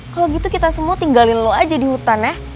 kalau gitu kita semua tinggalin lo aja di hutan ya